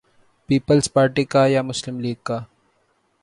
Peoples Party کا یا مسلم لیگ کا؟